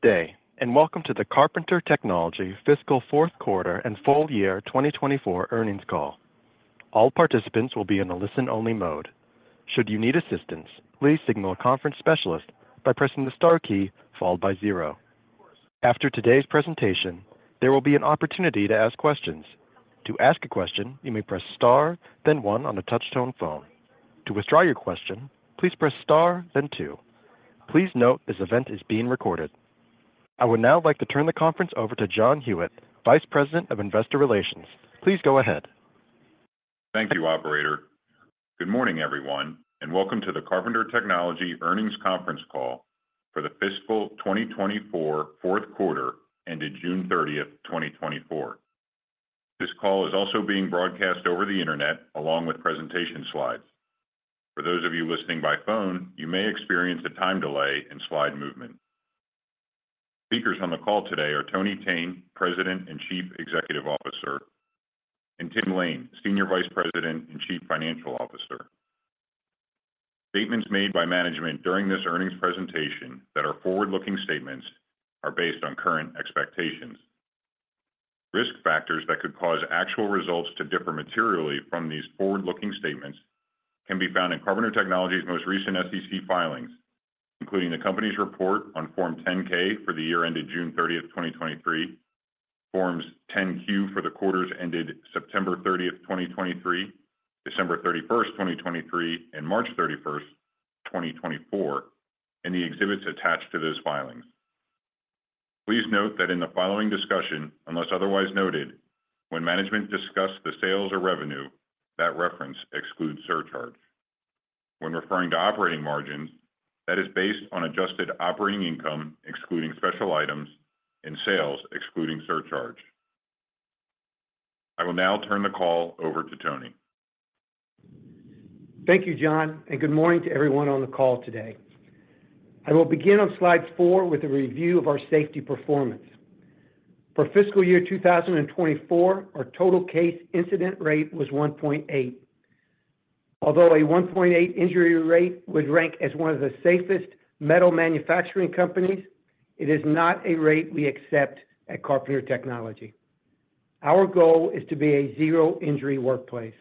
Good day, and welcome to the Carpenter Technology fiscal fourth quarter and full year 2024 earnings call. All participants will be in a listen-only mode. Should you need assistance, please signal a conference specialist by pressing the star key followed by zero. After today's presentation, there will be an opportunity to ask questions. To ask a question, you may press star, then one on a touch-tone phone. To withdraw your question, please press star, then two. Please note this event is being recorded. I would now like to turn the conference over to John Huyette, Vice President of Investor Relations. Please go ahead. Thank you, Operator. Good morning, everyone, and welcome to the Carpenter Technology earnings conference call for the fiscal 2024 fourth quarter ended June 30th, 2024. This call is also being broadcast over the internet along with presentation slides. For those of you listening by phone, you may experience a time delay in slide movement. Speakers on the call today are Tony Thene, President and Chief Executive Officer, and Tim Lain, Senior Vice President and Chief Financial Officer. Statements made by management during this earnings presentation that are forward-looking statements are based on current expectations. Risk factors that could cause actual results to differ materially from these forward-looking statements can be found in Carpenter Technology's most recent SEC filings, including the company's report on Form 10-K for the year ended June 30th, 2023, Forms 10-Q for the quarters ended September 30th, 2023, December 31st, 2023, and March 31st, 2024, and the exhibits attached to those filings. Please note that in the following discussion, unless otherwise noted, when management discussed the sales or revenue, that reference excludes surcharge. When referring to operating margins, that is based on adjusted operating income excluding special items and sales excluding surcharge. I will now turn the call over to Tony. Thank you, John, and good morning to everyone on the call today. I will begin on slide four with a review of our safety performance. For fiscal year 2024, our total case incident rate was 1.8. Although a 1.8 injury rate would rank as one of the safest metal manufacturing companies, it is not a rate we accept at Carpenter Technology. Our goal is to be a zero-injury workplace.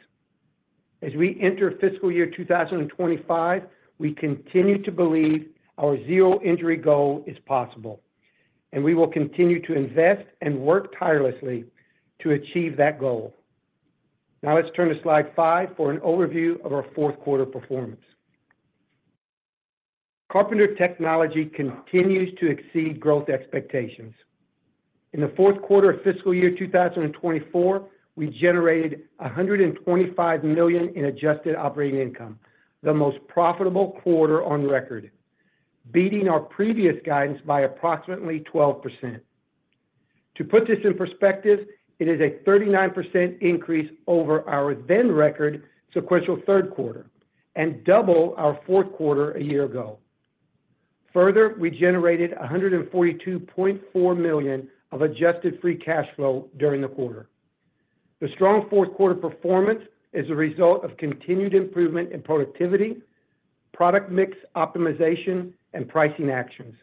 As we enter fiscal year 2025, we continue to believe our zero-injury goal is possible, and we will continue to invest and work tirelessly to achieve that goal. Now let's turn to slide five for an overview of our fourth quarter performance. Carpenter Technology continues to exceed growth expectations. In the fourth quarter of fiscal year 2024, we generated $125 million in adjusted operating income, the most profitable quarter on record, beating our previous guidance by approximately 12%. To put this in perspective, it is a 39% increase over our then record sequential third quarter and double our fourth quarter a year ago. Further, we generated $142.4 million of adjusted free cash flow during the quarter. The strong fourth quarter performance is a result of continued improvement in productivity, product mix optimization, and pricing actions.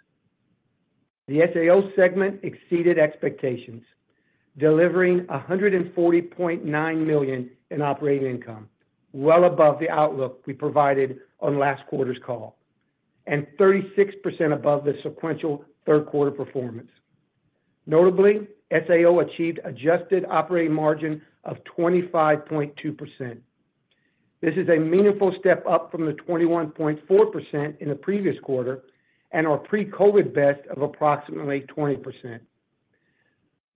The SAO segment exceeded expectations, delivering $140.9 million in operating income, well above the outlook we provided on last quarter's call, and 36% above the sequential third quarter performance. Notably, SAO achieved adjusted operating margin of 25.2%. This is a meaningful step up from the 21.4% in the previous quarter and our pre-COVID best of approximately 20%.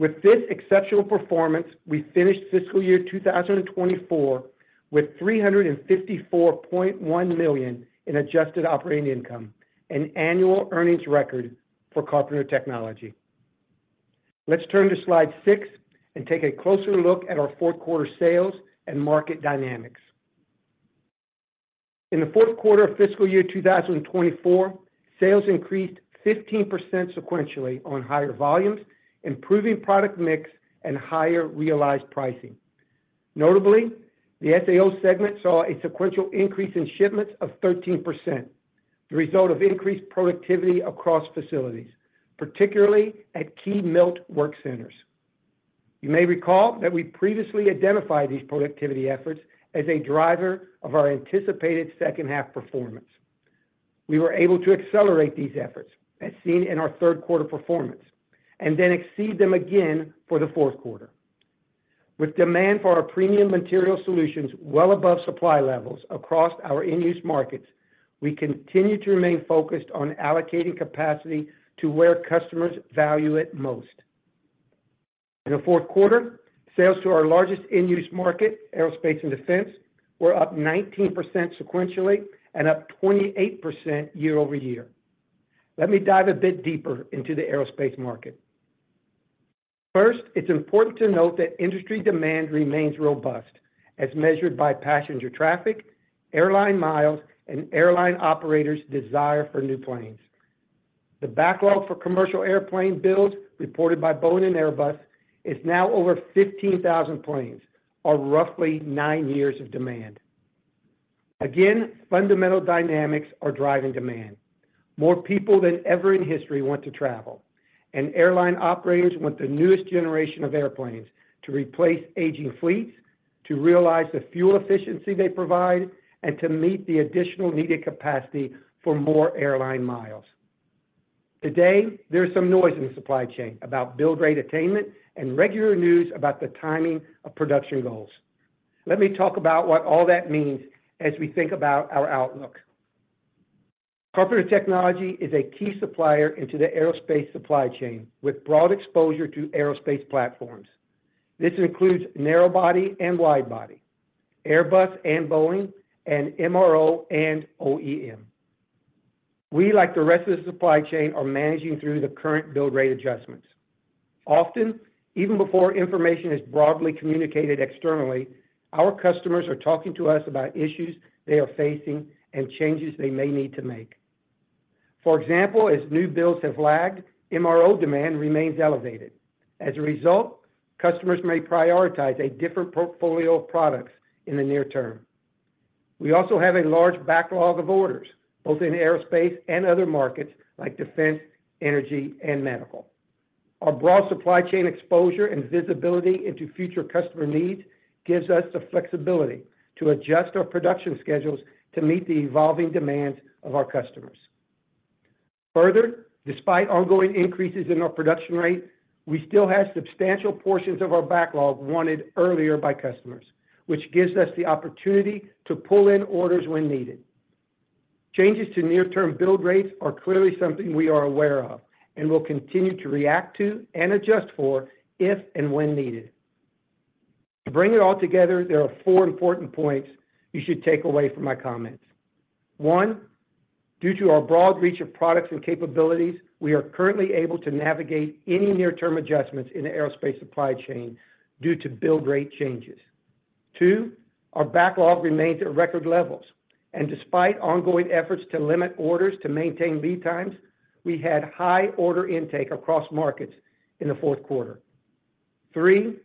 With this exceptional performance, we finished fiscal year 2024 with $354.1 million in adjusted operating income, an annual earnings record for Carpenter Technology. Let's turn to slide 6 and take a closer look at our fourth quarter sales and market dynamics. In the fourth quarter of fiscal year 2024, sales increased 15% sequentially on higher volumes, improving product mix and higher realized pricing. Notably, the SAO segment saw a sequential increase in shipments of 13%, the result of increased productivity across facilities, particularly at key melt work centers. You may recall that we previously identified these productivity efforts as a driver of our anticipated second-half performance. We were able to accelerate these efforts, as seen in our third quarter performance, and then exceed them again for the fourth quarter. With demand for our premium material solutions well above supply levels across our end-use markets, we continue to remain focused on allocating capacity to where customers value it most. In the fourth quarter, sales to our largest end-use market, Aerospace and Defense, were up 19% sequentially and up 28% year-over-year. Let me dive a bit deeper into the aerospace market. First, it's important to note that industry demand remains robust, as measured by passenger traffic, airline miles, and airline operators' desire for new planes. The backlog for commercial airplane builds reported by Boeing and Airbus is now over 15,000 planes, or roughly nine years of demand. Again, fundamental dynamics are driving demand. More people than ever in history want to travel, and airline operators want the newest generation of airplanes to replace aging fleets, to realize the fuel efficiency they provide, and to meet the additional needed capacity for more airline miles. Today, there's some noise in the supply chain about build rate attainment and regular news about the timing of production goals. Let me talk about what all that means as we think about our outlook. Carpenter Technology is a key supplier into the aerospace supply chain with broad exposure to aerospace platforms. This includes narrow body and wide body, Airbus and Boeing, and MRO and OEM. We, like the rest of the supply chain, are managing through the current build rate adjustments. Often, even before information is broadly communicated externally, our customers are talking to us about issues they are facing and changes they may need to make. For example, as new builds have lagged, MRO demand remains elevated. As a result, customers may prioritize a different portfolio of products in the near term. We also have a large backlog of orders, both in aerospace and other markets like Defense, Energy, and Medical. Our broad supply chain exposure and visibility into future customer needs gives us the flexibility to adjust our production schedules to meet the evolving demands of our customers. Further, despite ongoing increases in our production rate, we still have substantial portions of our backlog wanted earlier by customers, which gives us the opportunity to pull in orders when needed. Changes to near-term build rates are clearly something we are aware of and will continue to react to and adjust for if and when needed. To bring it all together, there are four important points you should take away from my comments. One, due to our broad reach of products and capabilities, we are currently able to navigate any near-term adjustments in the aerospace supply chain due to build rate changes. 2, our backlog remains at record levels, and despite ongoing efforts to limit orders to maintain lead times, we had high order intake across markets in the fourth quarter. 3,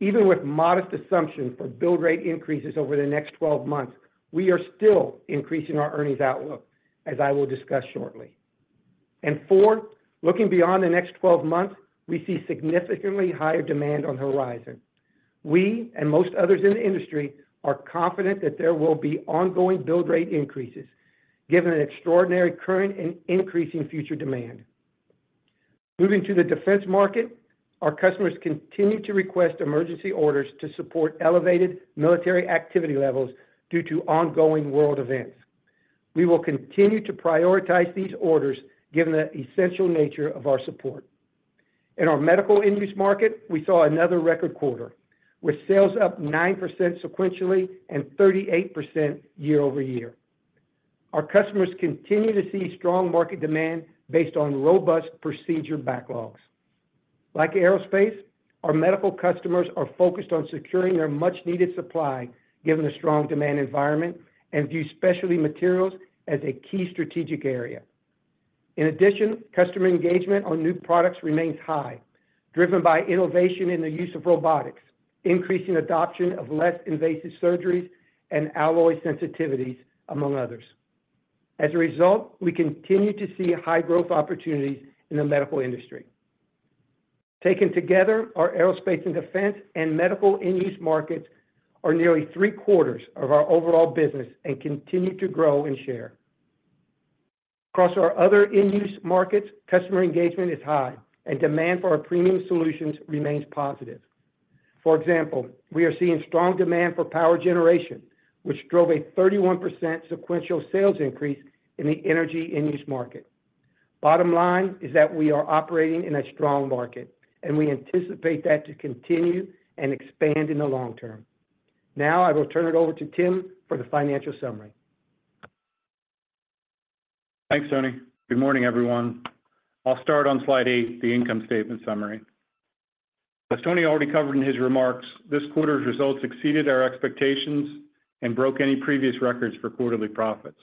even with modest assumptions for build rate increases over the next 12 months, we are still increasing our earnings outlook, as I will discuss shortly. And 4, looking beyond the next 12 months, we see significantly higher demand on the horizon. We and most others in the industry are confident that there will be ongoing build rate increases, given the extraordinary current and increasing future demand. Moving to the defense market, our customers continue to request emergency orders to support elevated military activity levels due to ongoing world events. We will continue to prioritize these orders, given the essential nature of our support. In our medical industry market, we saw another record quarter, with sales up 9% sequentially and 38% year-over-year. Our customers continue to see strong market demand based on robust procedure backlogs. Like aerospace, our medical customers are focused on securing their much-needed supply, given the strong demand environment, and view specialty materials as a key strategic area. In addition, customer engagement on new products remains high, driven by innovation in the use of robotics, increasing adoption of less invasive surgeries and alloy sensitivities, among others. As a result, we continue to see high growth opportunities in the medical industry. Taken together, our Aerospace and Defense and Medical end-use markets are nearly three quarters of our overall business and continue to grow and share. Across our other end-use markets, customer engagement is high, and demand for our premium solutions remains positive. For example, we are seeing strong demand for power generation, which drove a 31% sequential sales increase in the Energy end-use market. Bottom line is that we are operating in a strong market, and we anticipate that to continue and expand in the long term. Now I will turn it over to Tim for the financial summary. Thanks, Tony. Good morning, everyone. I'll start on slide 8, the income statement summary. As Tony already covered in his remarks, this quarter's results exceeded our expectations and broke any previous records for quarterly profits.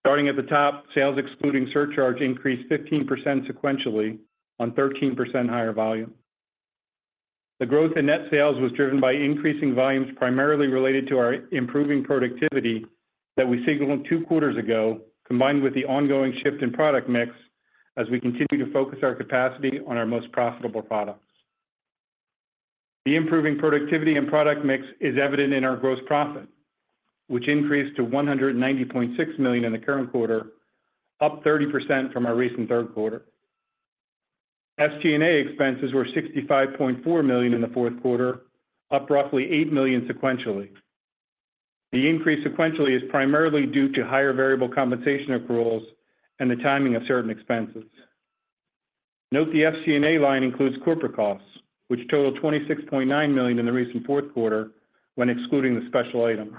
Starting at the top, sales excluding surcharge increased 15% sequentially on 13% higher volume. The growth in net sales was driven by increasing volumes primarily related to our improving productivity that we signaled two quarters ago, combined with the ongoing shift in product mix as we continue to focus our capacity on our most profitable products. The improving productivity and product mix is evident in our gross profit, which increased to $190.6 million in the current quarter, up 30% from our recent third quarter. SG&A expenses were $65.4 million in the fourth quarter, up roughly $8 million sequentially. The increase sequentially is primarily due to higher variable compensation accruals and the timing of certain expenses. Note the SG&A line includes corporate costs, which totaled $26.9 million in the recent fourth quarter when excluding the special item.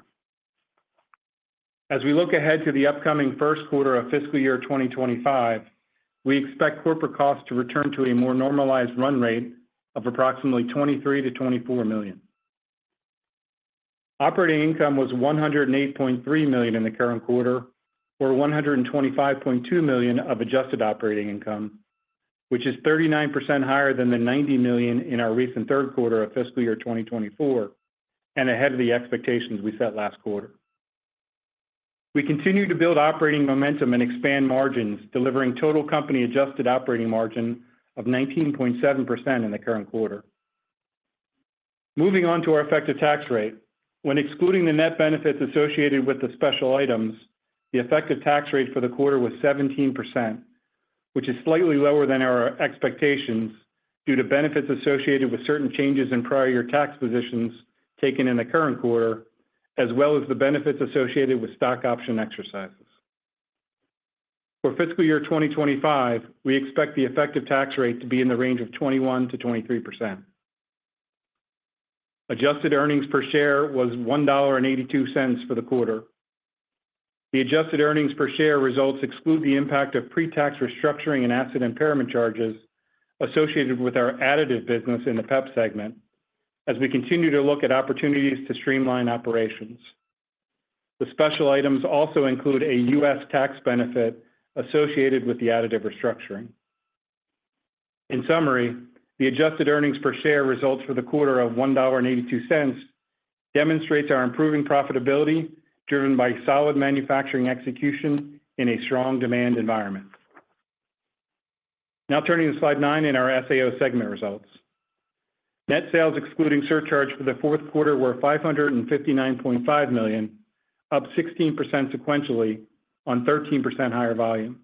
As we look ahead to the upcoming first quarter of fiscal year 2025, we expect corporate costs to return to a more normalized run rate of approximately $23-$24 million. Operating income was $108.3 million in the current quarter, or $125.2 million of adjusted operating income, which is 39% higher than the $90 million in our recent third quarter of fiscal year 2024 and ahead of the expectations we set last quarter. We continue to build operating momentum and expand margins, delivering total company adjusted operating margin of 19.7% in the current quarter. Moving on to our effective tax rate, when excluding the net benefits associated with the special items, the effective tax rate for the quarter was 17%, which is slightly lower than our expectations due to benefits associated with certain changes in prior year tax positions taken in the current quarter, as well as the benefits associated with stock option exercises. For fiscal year 2025, we expect the effective tax rate to be in the range of 21%-23%. Adjusted earnings per share was $1.82 for the quarter. The adjusted earnings per share results exclude the impact of pre-tax restructuring and asset impairment charges associated with our Additive business in the PEP segment, as we continue to look at opportunities to streamline operations. The special items also include a U.S. tax benefit associated with the additive restructuring. In summary, the adjusted earnings per share results for the quarter of $1.82 demonstrates our improving profitability driven by solid manufacturing execution in a strong demand environment. Now turning to slide 9 in our SAO segment results. Net sales excluding surcharge for the fourth quarter were $559.5 million, up 16% sequentially on 13% higher volume.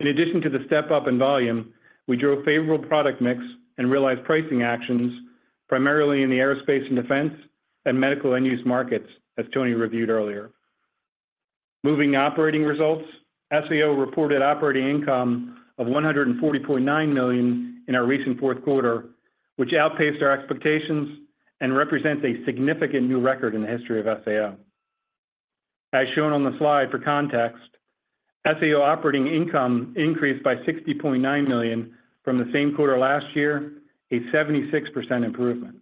In addition to the step up in volume, we drove favorable product mix and realized pricing actions, primarily in the Aerospace and Defense and Medical end-use markets, as Tony reviewed earlier. Moving to operating results, SAO reported operating income of $140.9 million in our recent fourth quarter, which outpaced our expectations and represents a significant new record in the history of SAO. As shown on the slide, for context, SAO operating income increased by $60.9 million from the same quarter last year, a 76% improvement.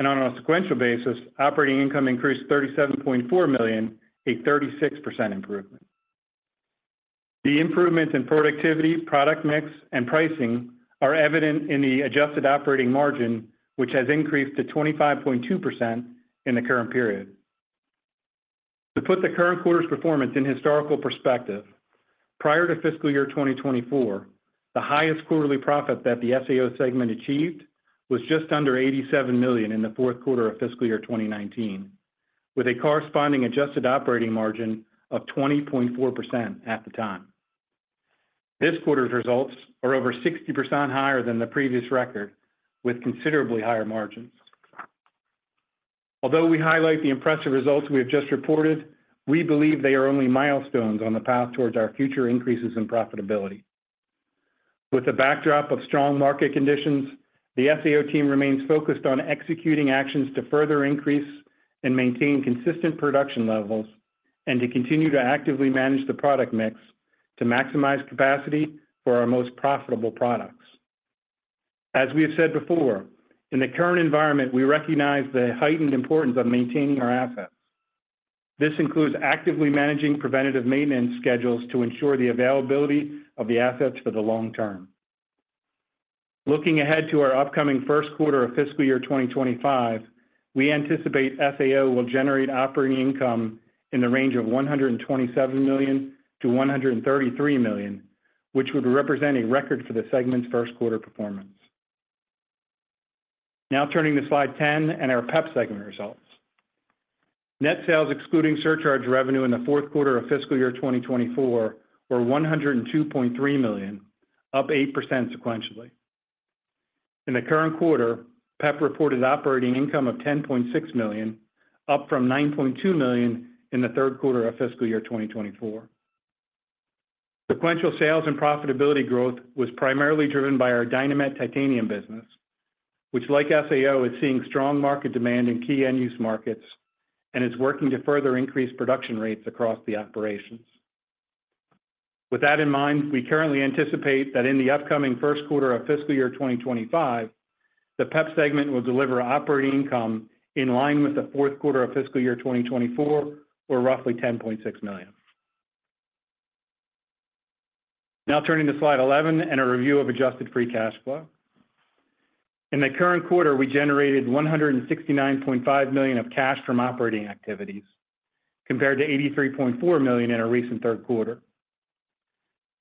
On a sequential basis, operating income increased $37.4 million, a 36% improvement. The improvements in productivity, product mix, and pricing are evident in the adjusted operating margin, which has increased to 25.2% in the current period. To put the current quarter's performance in historical perspective, prior to fiscal year 2024, the highest quarterly profit that the SAO segment achieved was just under $87 million in the fourth quarter of fiscal year 2019, with a corresponding adjusted operating margin of 20.4% at the time. This quarter's results are over 60% higher than the previous record, with considerably higher margins. Although we highlight the impressive results we have just reported, we believe they are only milestones on the path towards our future increases in profitability. With the backdrop of strong market conditions, the SAO team remains focused on executing actions to further increase and maintain consistent production levels and to continue to actively manage the product mix to maximize capacity for our most profitable products. As we have said before, in the current environment, we recognize the heightened importance of maintaining our assets. This includes actively managing preventative maintenance schedules to ensure the availability of the assets for the long term. Looking ahead to our upcoming first quarter of fiscal year 2025, we anticipate SAO will generate operating income in the range of $127 million-$133 million, which would represent a record for the segment's first quarter performance. Now turning to slide 10 and our PEP segment results. Net sales excluding surcharge revenue in the fourth quarter of fiscal year 2024 were $102.3 million, up 8% sequentially. In the current quarter, PEP reported operating income of $10.6 million, up from $9.2 million in the third quarter of fiscal year 2024. Sequential sales and profitability growth was primarily driven by our Dynamet titanium business, which, like SAO, is seeing strong market demand in key end-use markets and is working to further increase production rates across the operations. With that in mind, we currently anticipate that in the upcoming first quarter of fiscal year 2025, the PEP segment will deliver operating income in line with the fourth quarter of fiscal year 2024, or roughly $10.6 million. Now turning to slide 11 and a review of adjusted free cash flow. In the current quarter, we generated $169.5 million of cash from operating activities, compared to $83.4 million in our recent third quarter.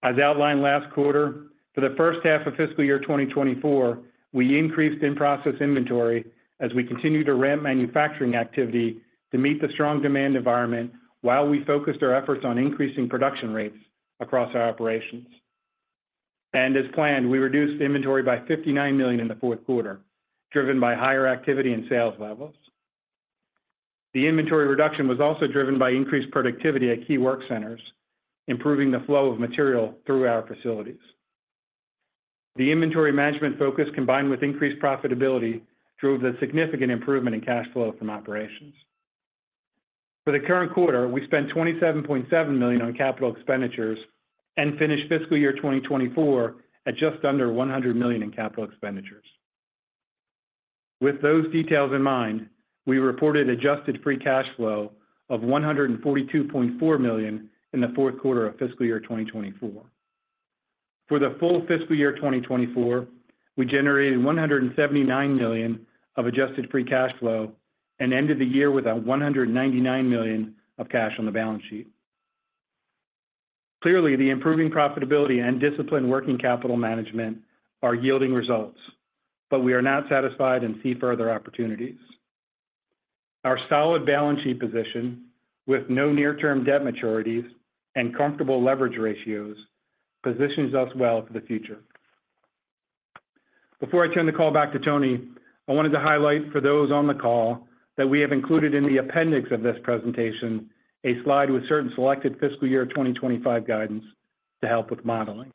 As outlined last quarter, for the first half of fiscal year 2024, we increased in-process inventory as we continued to ramp manufacturing activity to meet the strong demand environment while we focused our efforts on increasing production rates across our operations. As planned, we reduced inventory by $59 million in the fourth quarter, driven by higher activity and sales levels. The inventory reduction was also driven by increased productivity at key work centers, improving the flow of material through our facilities. The inventory management focus, combined with increased profitability, drove the significant improvement in cash flow from operations. For the current quarter, we spent $27.7 million on capital expenditures and finished fiscal year 2024 at just under $100 million in capital expenditures. With those details in mind, we reported adjusted free cash flow of $142.4 million in the fourth quarter of fiscal year 2024. For the full fiscal year 2024, we generated $179 million of adjusted free cash flow and ended the year with $199 million of cash on the balance sheet. Clearly, the improving profitability and disciplined working capital management are yielding results, but we are not satisfied and see further opportunities. Our solid balance sheet position, with no near-term debt maturities and comfortable leverage ratios, positions us well for the future. Before I turn the call back to Tony, I wanted to highlight for those on the call that we have included in the appendix of this presentation a slide with certain selected fiscal year 2025 guidance to help with modeling.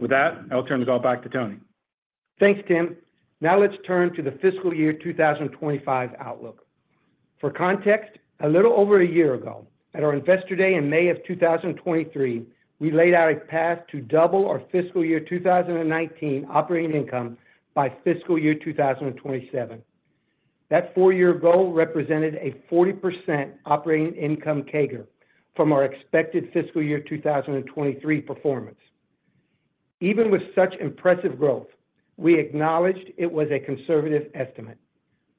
With that, I'll turn the call back to Tony. Thanks, Tim. Now let's turn to the fiscal year 2025 outlook. For context, a little over a year ago, at our Investor Day in May of 2023, we laid out a path to double our fiscal year 2019 operating income by fiscal year 2027. That four-year goal represented a 40% operating income CAGR from our expected fiscal year 2023 performance. Even with such impressive growth, we acknowledged it was a conservative estimate.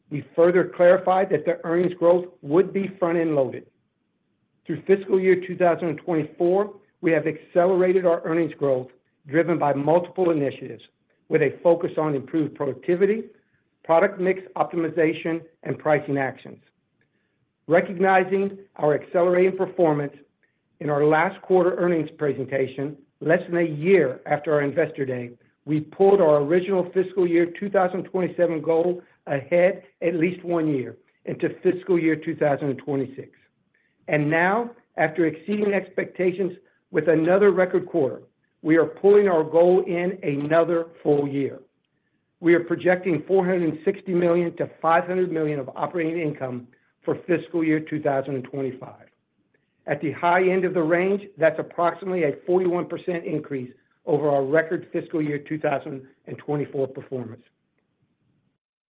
We further clarified that the earnings growth would be front-end loaded. Through fiscal year 2024, we have accelerated our earnings growth driven by multiple initiatives with a focus on improved productivity, product mix optimization, and pricing actions. Recognizing our accelerating performance in our last quarter earnings presentation, less than a year after our Investor Day, we pulled our original fiscal year 2027 goal ahead at least one year into fiscal year 2026. And now, after exceeding expectations with another record quarter, we are pulling our goal in another full year. We are projecting $460 million-$500 million of operating income for fiscal year 2025. At the high end of the range, that's approximately a 41% increase over our record fiscal year 2024 performance.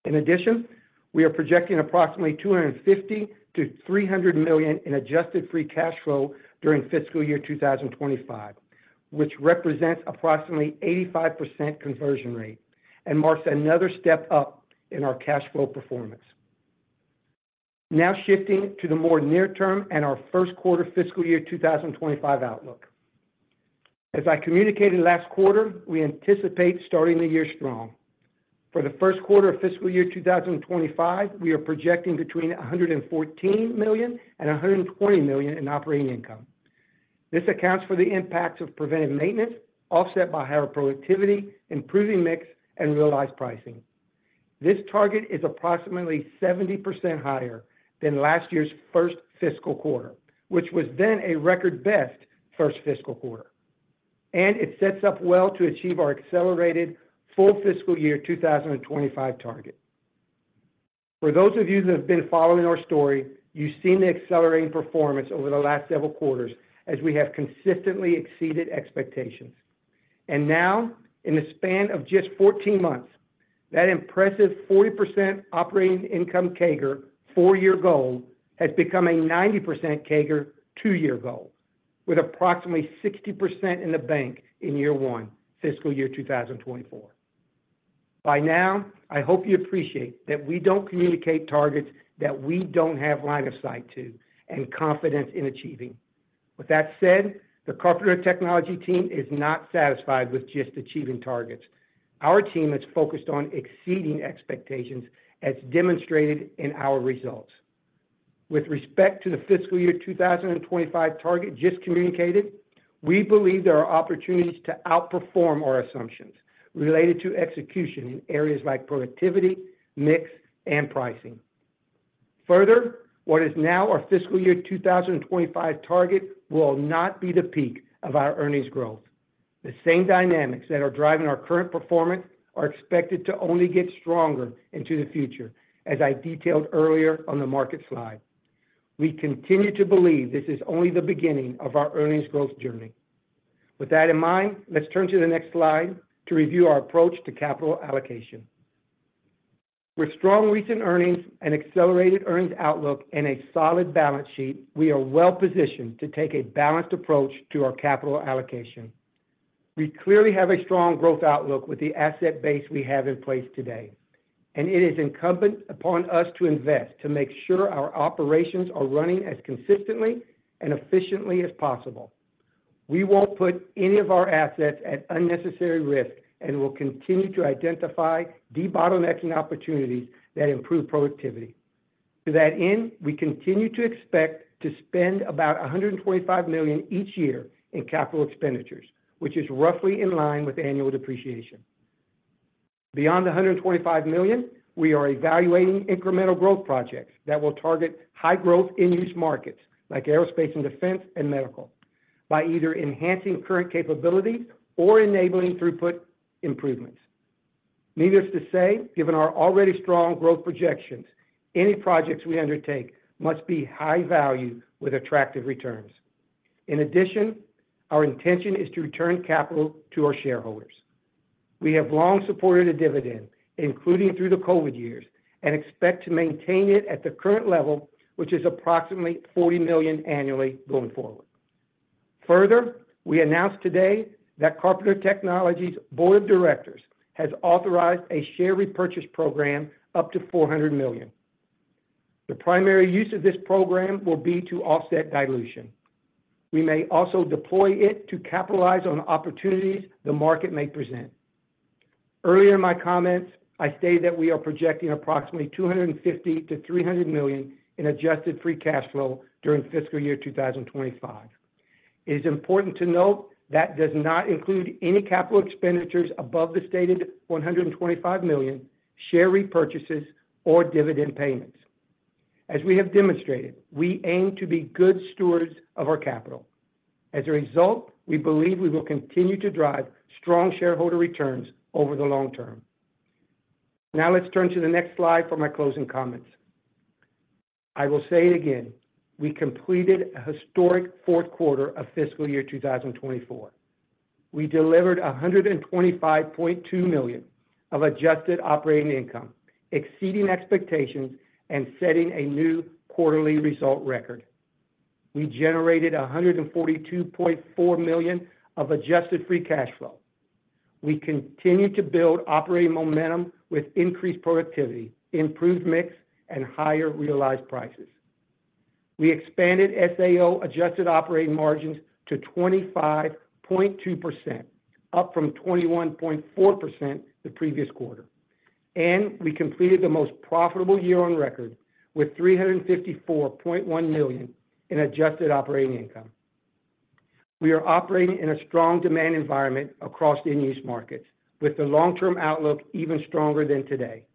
In addition, we are projecting approximately $250 million-$300 million in adjusted free cash flow during fiscal year 2025, which represents approximately 85% conversion rate and marks another step up in our cash flow performance. Now shifting to the more near-term and our first quarter fiscal year 2025 outlook. As I communicated last quarter, we anticipate starting the year strong. For the first quarter of fiscal year 2025, we are projecting between $114 million and $120 million in operating income. This accounts for the impacts of preventive maintenance offset by higher productivity, improving mix, and realized pricing. This target is approximately 70% higher than last year's first fiscal quarter, which was then a record best first fiscal quarter. It sets up well to achieve our accelerated full fiscal year 2025 target. For those of you that have been following our story, you've seen the accelerating performance over the last several quarters as we have consistently exceeded expectations. Now, in the span of just 14 months, that impressive 40% operating income CAGR four-year goal has become a 90% CAGR two-year goal, with approximately 60% in the bank in year one, fiscal year 2024. By now, I hope you appreciate that we don't communicate targets that we don't have line of sight to and confidence in achieving. With that said, the Carpenter Technology team is not satisfied with just achieving targets. Our team is focused on exceeding expectations, as demonstrated in our results. With respect to the fiscal year 2025 target just communicated, we believe there are opportunities to outperform our assumptions related to execution in areas like productivity, mix, and pricing. Further, what is now our fiscal year 2025 target will not be the peak of our earnings growth. The same dynamics that are driving our current performance are expected to only get stronger into the future, as I detailed earlier on the market slide. We continue to believe this is only the beginning of our earnings growth journey. With that in mind, let's turn to the next slide to review our approach to capital allocation. With strong recent earnings and accelerated earnings outlook and a solid balance sheet, we are well positioned to take a balanced approach to our capital allocation. We clearly have a strong growth outlook with the asset base we have in place today. It is incumbent upon us to invest to make sure our operations are running as consistently and efficiently as possible. We won't put any of our assets at unnecessary risk and will continue to identify debottlenecking opportunities that improve productivity. To that end, we continue to expect to spend about $125 million each year in capital expenditures, which is roughly in line with annual depreciation. Beyond the $125 million, we are evaluating incremental growth projects that will target high-growth end-use markets like Aerospace and Defense and Medical by either enhancing current capabilities or enabling throughput improvements. Needless to say, given our already strong growth projections, any projects we undertake must be high-value with attractive returns. In addition, our intention is to return capital to our shareholders. We have long supported a dividend, including through the COVID years, and expect to maintain it at the current level, which is approximately $40 million annually going forward. Further, we announced today that Carpenter Technology's Board of Directors has authorized a share repurchase program up to $400 million. The primary use of this program will be to offset dilution. We may also deploy it to capitalize on opportunities the market may present. Earlier in my comments, I stated that we are projecting approximately $250 million-$300 million in adjusted free cash flow during fiscal year 2025. It is important to note that does not include any capital expenditures above the stated $125 million, share repurchases, or dividend payments. As we have demonstrated, we aim to be good stewards of our capital. As a result, we believe we will continue to drive strong shareholder returns over the long term. Now let's turn to the next slide for my closing comments. I will say it again. We completed a historic fourth quarter of fiscal year 2024. We delivered $125.2 million of adjusted operating income, exceeding expectations and setting a new quarterly result record. We generated $142.4 million of adjusted free cash flow. We continue to build operating momentum with increased productivity, improved mix, and higher realized prices. We expanded SAO adjusted operating margins to 25.2%, up from 21.4% the previous quarter. We completed the most profitable year on record with $354.1 million in adjusted operating income. We are operating in a strong demand environment across end-use markets, with the long-term outlook even stronger than today.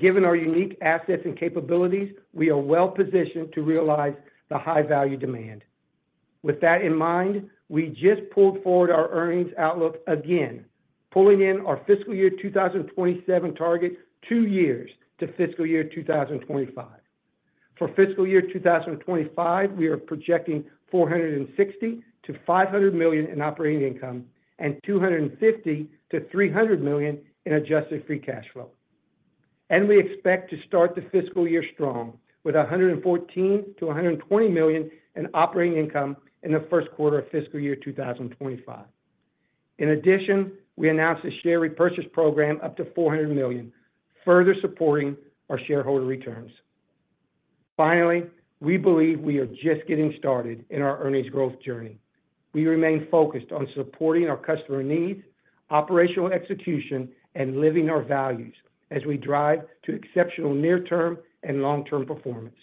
Given our unique assets and capabilities, we are well positioned to realize the high-value demand. With that in mind, we just pulled forward our earnings outlook again, pulling in our fiscal year 2027 target two years to fiscal year 2025. For fiscal year 2025, we are projecting $460 million-$500 million in operating income and $250 million-$300 million in adjusted free cash flow. We expect to start the fiscal year strong with $114 million-$120 million in operating income in the first quarter of fiscal year 2025. In addition, we announced a share repurchase program up to $400 million, further supporting our shareholder returns. Finally, we believe we are just getting started in our earnings growth journey. We remain focused on supporting our customer needs, operational execution, and living our values as we drive to exceptional near-term and long-term performance.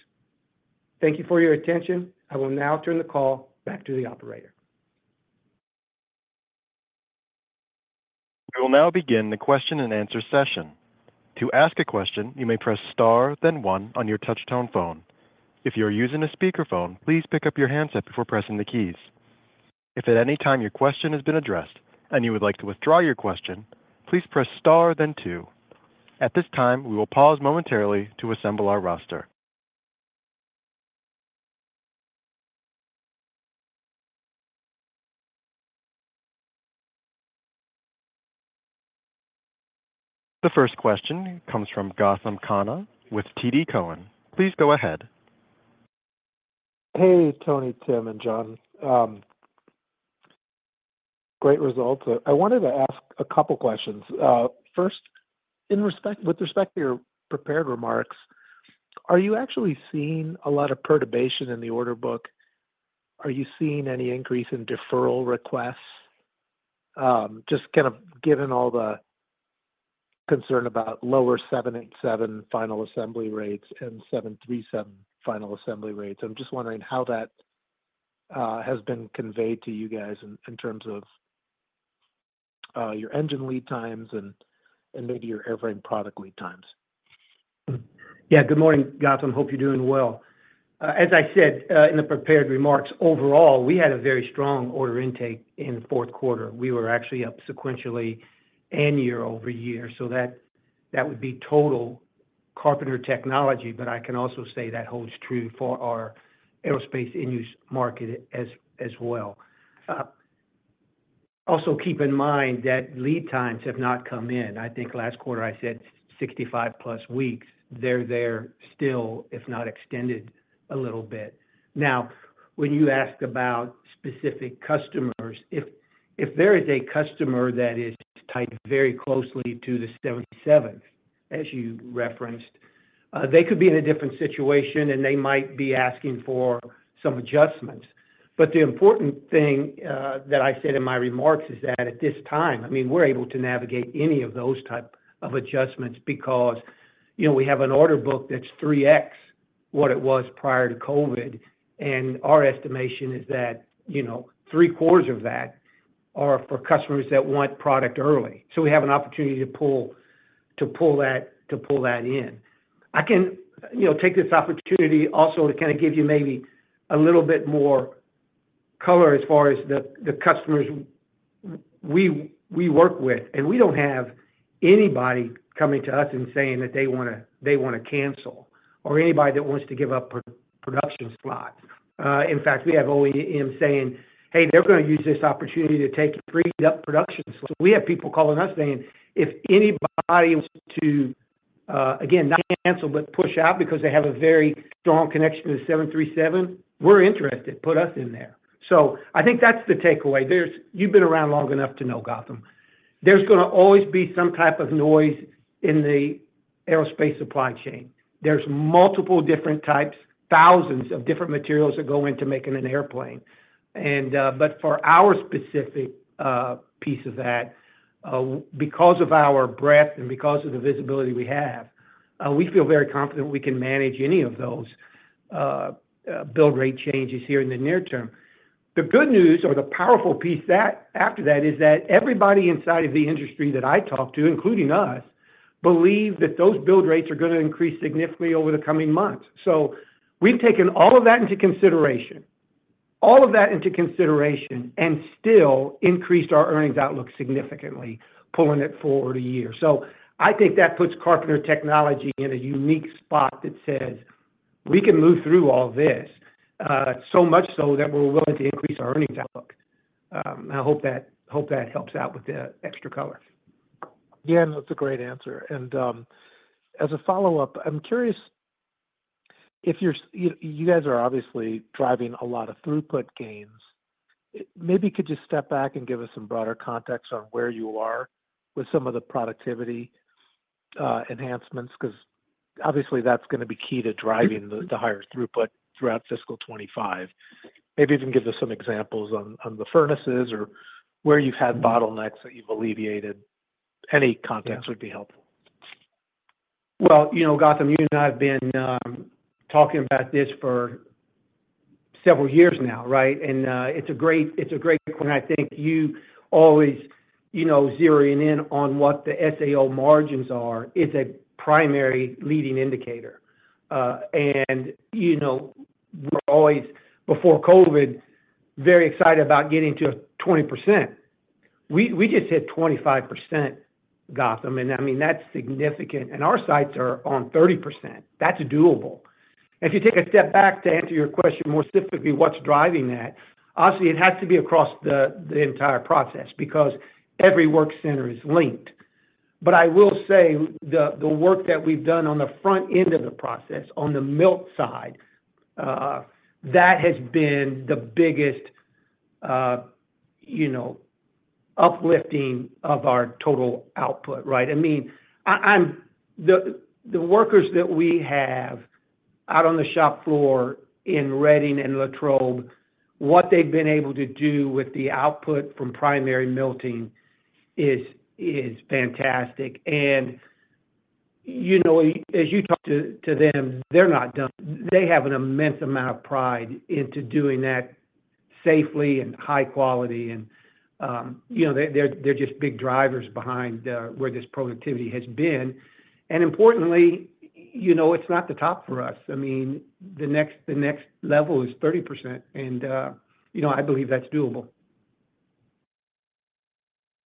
Thank you for your attention. I will now turn the call back to the operator. We will now begin the question and answer session. To ask a question, you may press star, then one on your touch-tone phone. If you are using a speakerphone, please pick up your handset before pressing the keys. If at any time your question has been addressed and you would like to withdraw your question, please press star, then two. At this time, we will pause momentarily to assemble our roster. The first question comes from Gautam Khanna with TD Cowen. Please go ahead. Hey, Tony, Tim, and John. Great results. I wanted to ask a couple of questions. First, with respect to your prepared remarks, are you actually seeing a lot of perturbation in the order book? Are you seeing any increase in deferral requests? Just kind of given all the concern about lower 787 final assembly rates and 737 final assembly rates, I'm just wondering how that has been conveyed to you guys in terms of your engine lead times and maybe your airframe product lead times. Yeah, good morning, Gautam. Hope you're doing well. As I said in the prepared remarks, overall, we had a very strong order intake in fourth quarter. We were actually up sequentially and year-over-year. So that would be total Carpenter Technology, but I can also say that holds true for our Aerospace end-use market as well. Also, keep in mind that lead times have not come in. I think last quarter I said 65+ weeks. They're still there, if not extended a little bit. Now, when you ask about specific customers, if there is a customer that is tied very closely to the 787, as you referenced, they could be in a different situation and they might be asking for some adjustments. But the important thing that I said in my remarks is that at this time, I mean, we're able to navigate any of those types of adjustments because we have an order book that's 3X what it was prior to COVID. And our estimation is that three-quarters of that are for customers that want product early. So we have an opportunity to pull that in. I can take this opportunity also to kind of give you maybe a little bit more color as far as the customers we work with. And we don't have anybody coming to us and saying that they want to cancel or anybody that wants to give up production slots. In fact, we have OEMs saying, "Hey, they're going to use this opportunity to take freed-up production slots." We have people calling us saying, "If anybody wants to, again, not cancel, but push out because they have a very strong connection to the 737, we're interested. Put us in there." So I think that's the takeaway. You've been around long enough to know Gautam. There's going to always be some type of noise in the aerospace supply chain. There's multiple different types, thousands of different materials that go into making an airplane. But for our specific piece of that, because of our breadth and because of the visibility we have, we feel very confident we can manage any of those build rate changes here in the near term. The good news or the powerful piece after that is that everybody inside of the industry that I talked to, including us, believe that those build rates are going to increase significantly over the coming months. So we've taken all of that into consideration, all of that into consideration, and still increased our earnings outlook significantly, pulling it forward a year. So I think that puts Carpenter Technology in a unique spot that says, "We can move through all this," so much so that we're willing to increase our earnings outlook. I hope that helps out with the extra color. Yeah, that's a great answer. And as a follow-up, I'm curious if you guys are obviously driving a lot of throughput gains. Maybe could you step back and give us some broader context on where you are with some of the productivity enhancements? Because obviously, that's going to be key to driving the higher throughput throughout fiscal 2025. Maybe you can give us some examples on the furnaces or where you've had bottlenecks that you've alleviated. Any context would be helpful. Well, Gautam, you and I have been talking about this for several years now, right? And it's a great point. I think you always zeroing in on what the SAO margins are is a primary leading indicator. And we're always, before COVID, very excited about getting to 20%. We just hit 25%, Gautam. And I mean, that's significant. And our sights are on 30%. That's doable. If you take a step back to answer your question more specifically, what's driving that? Obviously, it has to be across the entire process because every work center is linked. But I will say the work that we've done on the front end of the process, on the melt side, that has been the biggest uplifting of our total output, right? I mean, the workers that we have out on the shop floor in Reading and Latrobe, what they've been able to do with the output from primary melting is fantastic. As you talk to them, they're not done. They have an immense amount of pride in doing that safely and high quality. They're just big drivers behind where this productivity has been. Importantly, it's not the top for us. I mean, the next level is 30%. I believe that's doable.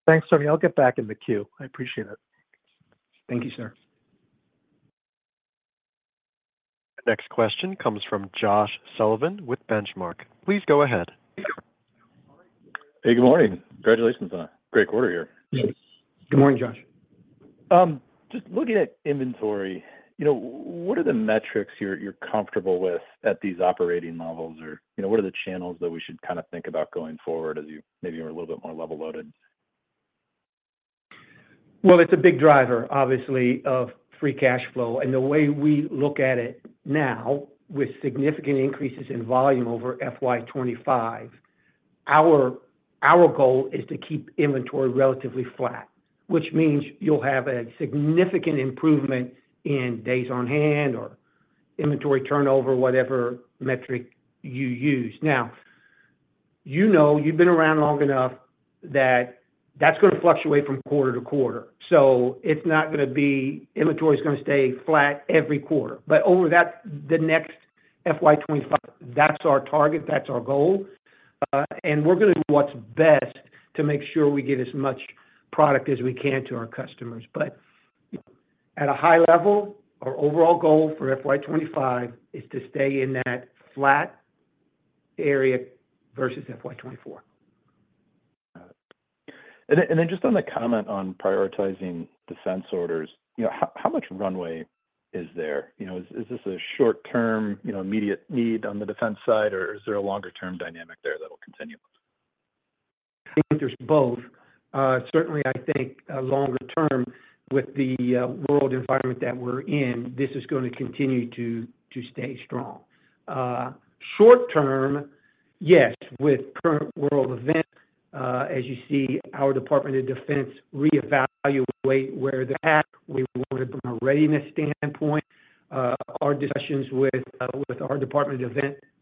Thanks, Tony. I'll get back in the queue. I appreciate it. Thank you, sir. Next question comes from Josh Sullivan with Benchmark. Please go ahead. Hey, good morning. Congratulations on a great quarter here. Yes. Good morning, Josh. Just looking at inventory, what are the metrics you're comfortable with at these operating levels? Or what are the channels that we should kind of think about going forward as you maybe are a little bit more level loaded? Well, it's a big driver, obviously, of free cash flow. And the way we look at it now, with significant increases in volume over FY2025, our goal is to keep inventory relatively flat, which means you'll have a significant improvement in days on hand or inventory turnover, whatever metric you use. Now, you know you've been around long enough that that's going to fluctuate from quarter to quarter. So it's not going to be, inventory is going to stay flat every quarter. But over the next FY2025, that's our target. That's our goal. And we're going to do what's best to make sure we get as much product as we can to our customers. But at a high level, our overall goal for FY2025 is to stay in that flat area versus FY2024. Got it. And then just on the comment on prioritizing defense orders, how much runway is there? Is this a short-term immediate need on the Defense side, or is there a longer-term dynamic there that will continue? I think there's both. Certainly, I think longer-term, with the world environment that we're in, this is going to continue to stay strong. Short-term, yes, with current world events, as you see our Department of Defense reevaluate where they're at, we wanted from a readiness standpoint. Our discussions with our Department of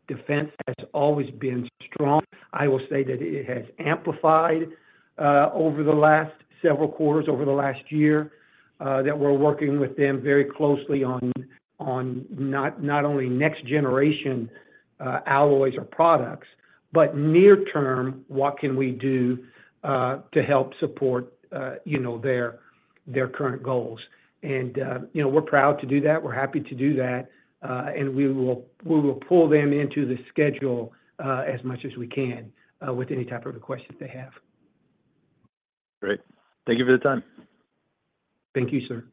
Defense have always been strong. I will say that it has amplified over the last several quarters, over the last year, that we're working with them very closely on not only next-generation alloys or products, but near-term, what can we do to help support their current goals? And we're proud to do that. We're happy to do that. And we will pull them into the schedule as much as we can with any type of request that they have. Great. Thank you for the time. Thank you, sir.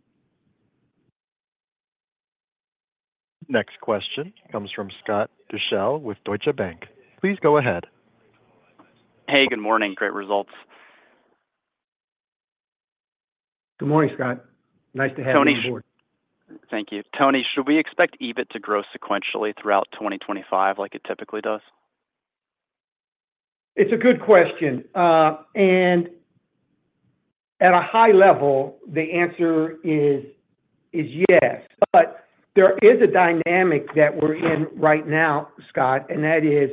Next question comes from Scott Deuschle with Deutsche Bank. Please go ahead. Hey, good morning. Great results. Good morning, Scott. Nice to have you on board. Thank you. Tony, should we expect EBIT to grow sequentially throughout 2025 like it typically does? It's a good question. And at a high level, the answer is yes. But there is a dynamic that we're in right now, Scott, and that is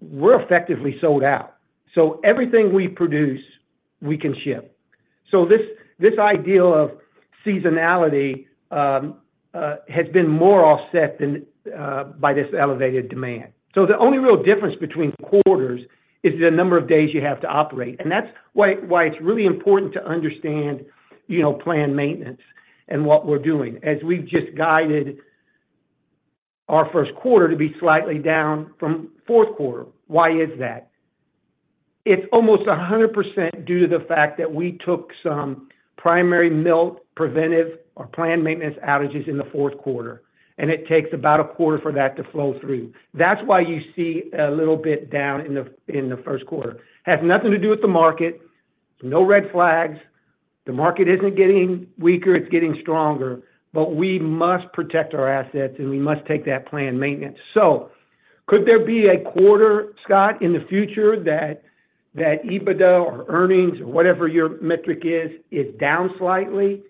we're effectively sold out. So everything we produce, we can ship. So this idea of seasonality has been more offset by this elevated demand. So the only real difference between quarters is the number of days you have to operate. And that's why it's really important to understand planned maintenance and what we're doing. As we've just guided our first quarter to be slightly down from fourth quarter. Why is that? It's almost 100% due to the fact that we took some primary melting preventive or planned maintenance outages in the fourth quarter. And it takes about a quarter for that to flow through. That's why you see a little bit down in the first quarter. Has nothing to do with the market. No red flags. The market isn't getting weaker. It's getting stronger. But we must protect our assets, and we must take that planned maintenance. So could there be a quarter, Scott, in the future that EBITDA or earnings or whatever your metric is, is down slightly?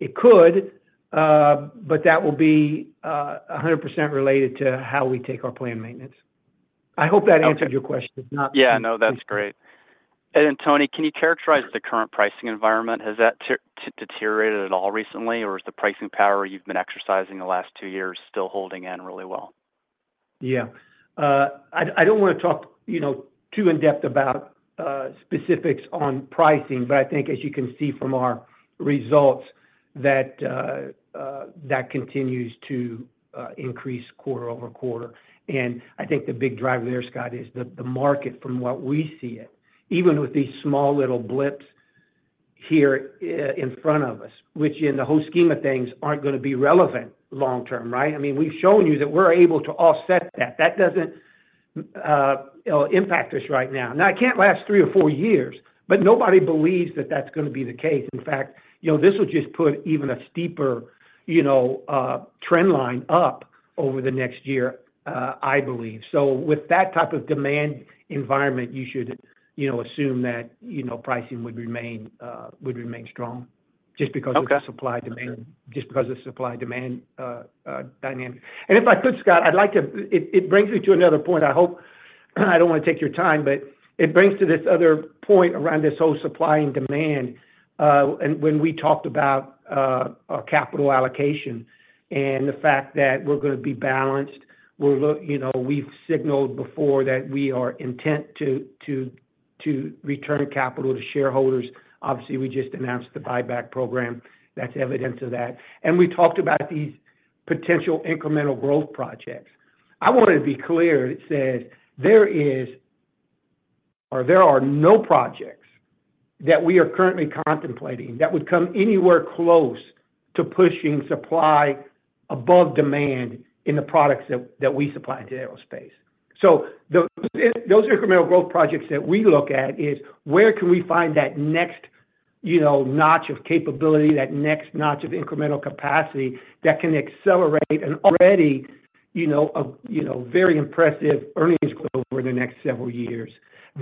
It could, but that will be 100% related to how we take our planned maintenance. I hope that answered your question. Yeah, no, that's great. And Tony, can you characterize the current pricing environment? Has that deteriorated at all recently, or is the pricing power you've been exercising the last two years still holding in really well? Yeah. I don't want to talk too in-depth about specifics on pricing, but I think, as you can see from our results, that continues to increase quarter-over-quarter. I think the big driver there, Scott, is the market from what we see it, even with these small little blips here in front of us, which in the whole scheme of things aren't going to be relevant long-term, right? I mean, we've shown you that we're able to offset that. That doesn't impact us right now. Now, it can't last three or four years, but nobody believes that that's going to be the case. In fact, this will just put even a steeper trend line up over the next year, I believe. So with that type of demand environment, you should assume that pricing would remain strong just because of supply demand, just because of supply demand dynamic. And if I could, Scott, I'd like to, it brings me to another point. I don't want to take your time, but it brings to this other point around this whole supply and demand. And when we talked about our capital allocation and the fact that we're going to be balanced, we've signaled before that we are intent to return capital to shareholders. Obviously, we just announced the buyback program. That's evidence of that. And we talked about these potential incremental growth projects. I wanted to be clear. It says there are no projects that we are currently contemplating that would come anywhere close to pushing supply above demand in the products that we supply to aerospace. So those incremental growth projects that we look at is where can we find that next notch of capability, that next notch of incremental capacity that can accelerate an already very impressive earnings growth over the next several years.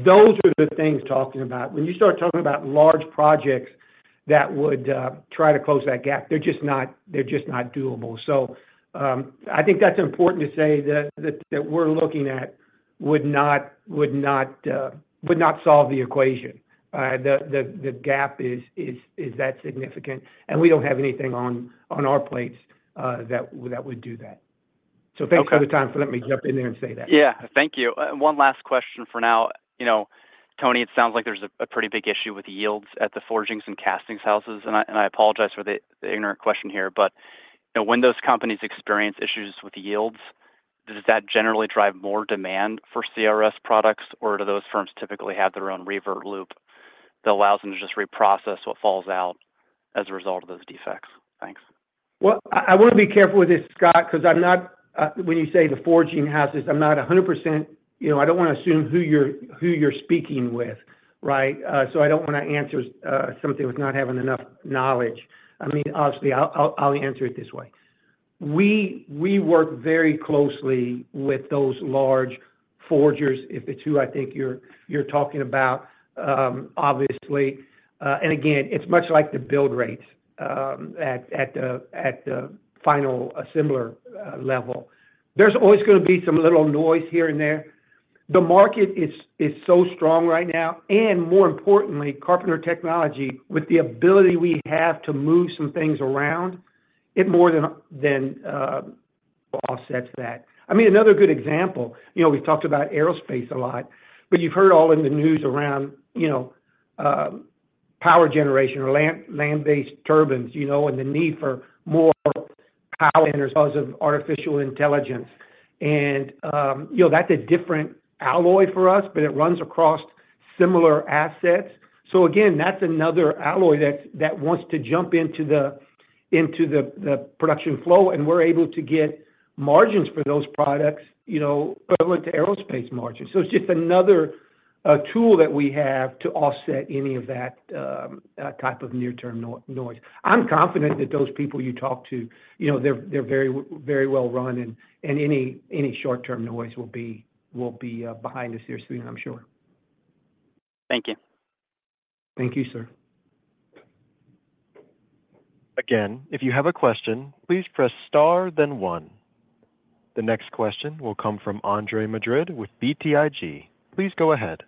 Those are the things talking about. When you start talking about large projects that would try to close that gap, they're just not doable. So I think that's important to say that we're looking at would not solve the equation. The gap is that significant. And we don't have anything on our plates that would do that. So thanks for the time for letting me jump in there and say that. Yeah, thank you. One last question for now. Tony, it sounds like there's a pretty big issue with yields at the forgings and castings houses. And I apologize for the ignorant question here. But when those companies experience issues with yields, does that generally drive more demand for CRS products, or do those firms typically have their own revert loop that allows them to just reprocess what falls out as a result of those defects? Thanks. Well, I want to be careful with this, Scott, because when you say the forging houses, I'm not 100%. I don't want to assume who you're speaking with, right? So I don't want to answer something with not having enough knowledge. I mean, obviously, I'll answer it this way. We work very closely with those large forgers, if it's who I think you're talking about, obviously. And again, it's much like the build rates at the final assembler level. There's always going to be some little noise here and there. The market is so strong right now. And more importantly, Carpenter Technology, with the ability we have to move some things around, it more than offsets that. I mean, another good example, we've talked about aerospace a lot, but you've heard all in the news around power generation or land-based turbines and the need for more power centers because of artificial intelligence. And that's a different alloy for us, but it runs across similar assets. So again, that's another alloy that wants to jump into the production flow. And we're able to get margins for those products equivalent to aerospace margins. So it's just another tool that we have to offset any of that type of near-term noise. I'm confident that those people you talk to, they're very well-run, and any short-term noise will be behind us here soon, I'm sure. Thank you. Thank you, sir. Again, if you have a question, please press star, then one. The next question will come from Andre Madrid with BTIG. Please go ahead.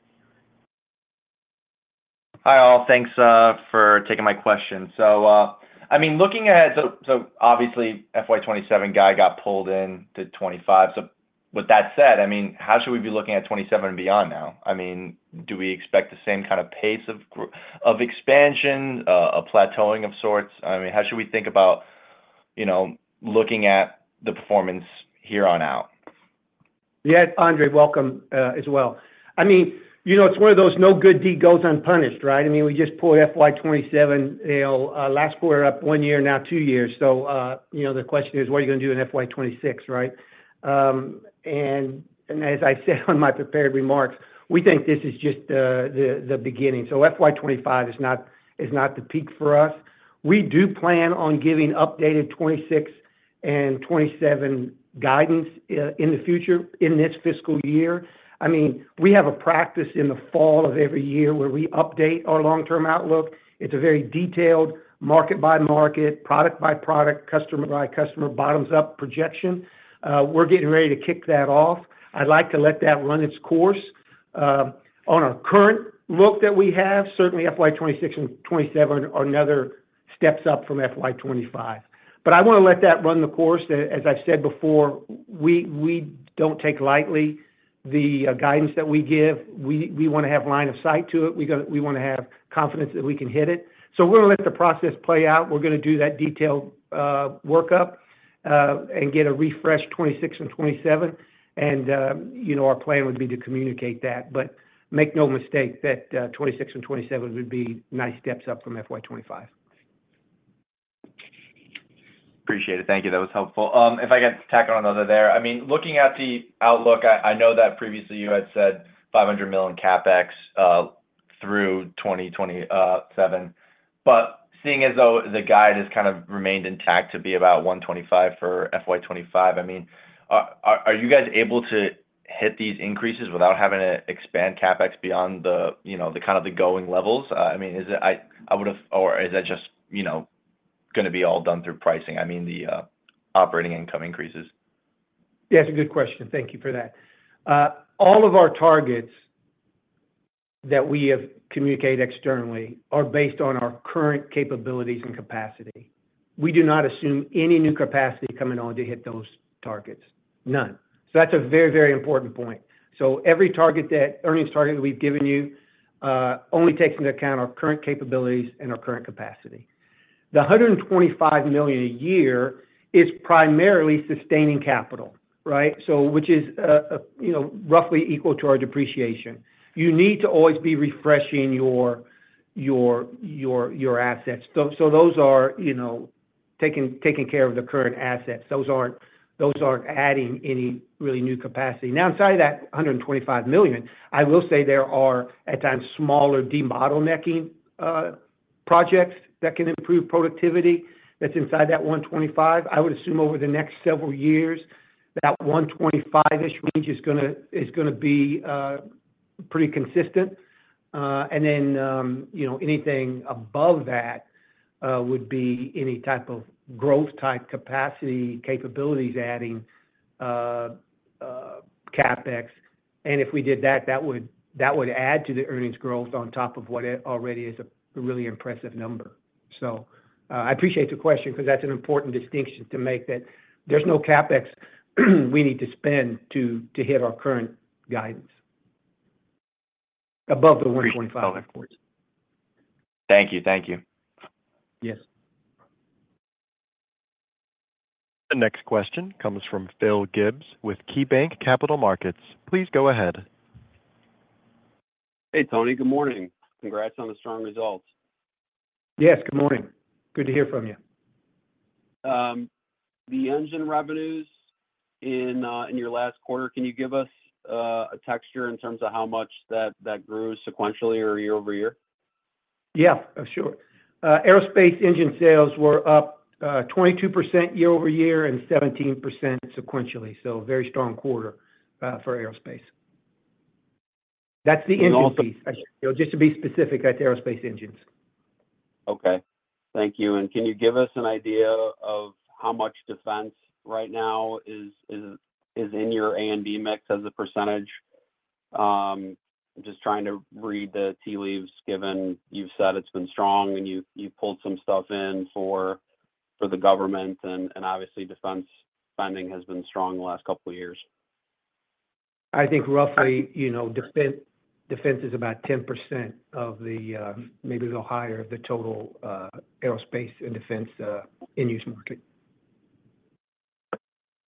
Hi all. Thanks for taking my question. So I mean, looking at, so obviously, FY 2027 guy got pulled into 2025. So with that said, I mean, how should we be looking at 2027 and beyond now? I mean, do we expect the same kind of pace of expansion, a plateauing of sorts? I mean, how should we think about looking at the performance here on out? Yeah, it's Andre, welcome as well. I mean, it's one of those no good deed goes unpunished, right? I mean, we just pulled FY 2027 last quarter up one year, now two years. So the question is, what are you going to do in FY 2026, right? And as I said on my prepared remarks, we think this is just the beginning. So FY 2025 is not the peak for us. We do plan on giving updated 2026 and 2027 guidance in the future in this fiscal year. I mean, we have a practice in the fall of every year where we update our long-term outlook. It's a very detailed market-by-market, product-by-product, customer-by-customer bottoms-up projection. We're getting ready to kick that off. I'd like to let that run its course on our current look that we have. Certainly, FY 2026 and 2027 are another steps up from FY 2025. But I want to let that run the course. As I've said before, we don't take lightly the guidance that we give. We want to have line of sight to it. We want to have confidence that we can hit it. So we're going to let the process play out. We're going to do that detailed workup and get a refresh 2026 and 2027. And our plan would be to communicate that. But make no mistake that 2026 and 2027 would be nice steps up from FY 2025. Appreciate it. Thank you. That was helpful. If I can tack on another there, I mean, looking at the outlook, I know that previously you had said $500 million CapEx through 2027. But seeing as though the guide has kind of remained intact to be about $125 million for FY25, I mean, are you guys able to hit these increases without having to expand CapEx beyond the kind of the going levels? I mean, is it—or is that just going to be all done through pricing, I mean, the operating income increases? Yeah, it's a good question. Thank you for that. All of our targets that we have communicated externally are based on our current capabilities and capacity. We do not assume any new capacity coming on to hit those targets. None. So that's a very, very important point. So every target, that earnings target that we've given you, only takes into account our current capabilities and our current capacity. The $125 million a year is primarily sustaining capital, right, which is roughly equal to our depreciation. You need to always be refreshing your assets. So those are taking care of the current assets. Those aren't adding any really new capacity. Now, inside that $125 million, I will say there are at times smaller debottlenecking projects that can improve productivity that's inside that $125 million. I would assume over the next several years, that $125 million-ish range is going to be pretty consistent. And then anything above that would be any type of growth-type capacity, capabilities adding CapEx. And if we did that, that would add to the earnings growth on top of what already is a really impressive number. So I appreciate the question because that's an important distinction to make that there's no CapEx we need to spend to hit our current guidance above the $125. Thank you. Thank you. Yes. The next question comes from Phil Gibbs with KeyBanc Capital Markets. Please go ahead. Hey, Tony. Good morning. Congrats on the strong results. Yes, good morning. Good to hear from you. The engine revenues in your last quarter, can you give us a texture in terms of how much that grew sequentially or year-over-year? Yeah, sure. Aerospace engine sales were up 22% year-over-year and 17% sequentially. So very strong quarter for aerospace. That's the engine piece. Just to be specific at the aerospace engines. Okay. Thank you. And can you give us an idea of how much defense right now is in your A&D mix as a percentage? I'm just trying to read the tea leaves given you've said it's been strong and you've pulled some stuff in for the government. And obviously, defense spending has been strong the last couple of years. I think roughly defense is about 10% of the maybe a little higher of the total Aerospace and Defense end-use market.